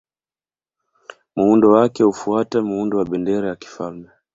Muundo wake hufuata muundo wa bendera ya kifalme.